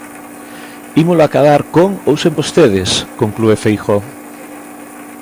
"Ímolo acadar con ou sen vostedes", conclúe Feijóo.